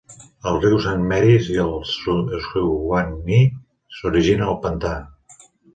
El riu Saint Marys i el Suwannee s'originen al pantà.